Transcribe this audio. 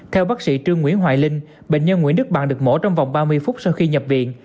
theo bác sĩ trương nguyễn hoài linh bệnh nhân nguyễn đức bạn được mổ trong vòng ba mươi phút sau khi nhập viện